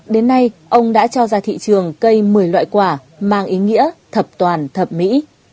đến nay ông đã cho ra thị trường cây một mươi loại quả mang ý nghĩa thập toàn thẩm mỹ